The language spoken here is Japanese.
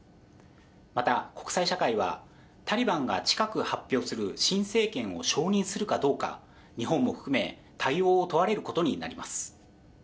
また、国際社会はタリバンが近く発表する新政権を承認するかどうか、日本も含め、対応を問われることになります。